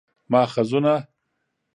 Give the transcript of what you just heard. ماخذونه: